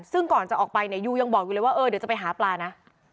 ซึ่งก่อนจะออกไปเนี่ยยูยังบอกอยู่เลยว่าเออเดี๋ยวจะไปหาปลานะ